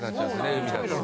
海だと。